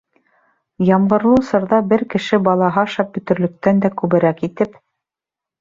Ямғырлы осорҙа бер кеше балаһы ашап бөтөрлөктән дә күберәк итеп.